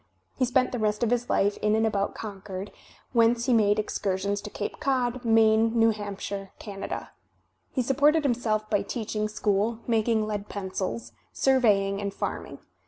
He spent the rest of his life in and about Con cord, whence he made excursions to Cape Cod, Maine, New Hampshire, Canada. He supported himself by teach ing school, making lead pencils, surveying and farming.